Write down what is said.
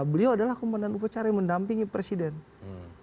beliau adalah kumpulan upacara yang mendampingi presidennya